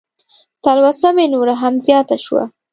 تلوسه مې نوره هم زیاته شوه.